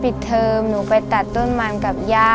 พี่น้องของหนูก็ช่วยย่าทำงานค่ะ